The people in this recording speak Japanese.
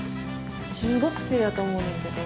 中学生やと思うねんけど。